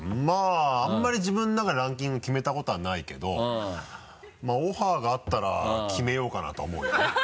まぁあんまり自分の中でランキング決めたことはないけどまぁオファーがあったら決めようかなとは思うよね。